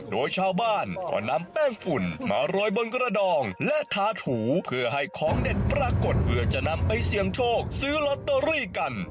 โดยชาวบ้านก็นำแป้งฝุ่นมาโรยบนกระดองและทาถูเพื่อให้ของเด็ดปรากฏเพื่อจะนำไปเสี่ยงโชคซื้อลอตเตอรี่กัน